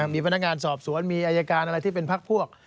มีพนักงานสอบสวนมีอายการอะไรที่เป็นพักพวก